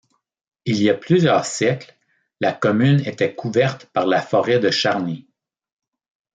Il y a plusieurs siècles, la commune était couverte par la forêt de Charnie.